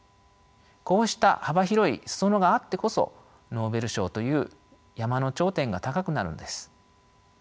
こうした幅広い裾野があってこそノーベル賞という山の頂点が高くなるのです。